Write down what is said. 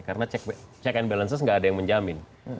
karena check and balances gak ada yang menjamin